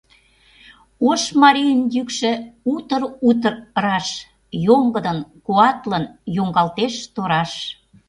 Ош марийын йӱкшӧ Утыр-утыр раш, Йоҥгыдын, куатлын Йоҥгалтеш тораш!